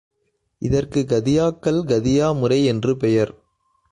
இதற்கு கதியாக்கள் கதியா முறை என்று பெயர்.